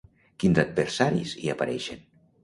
Quins adversaris hi apareixen?